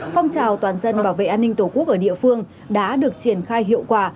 phong trào toàn dân bảo vệ an ninh tổ quốc ở địa phương đã được triển khai hiệu quả